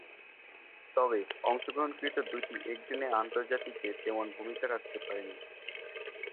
তবে, অংশগ্রহণকৃত দুইটি একদিনের আন্তর্জাতিকে তেমন ভূমিকা রাখতে পারেননি।